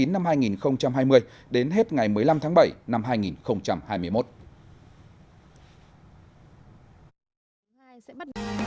năm hai nghìn hai mươi đến hết ngày một mươi năm tháng bảy năm hai nghìn hai mươi một